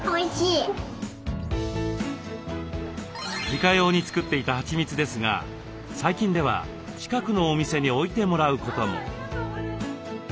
自家用に作っていたはちみつですが最近では近くのお店に置いてもらうことも。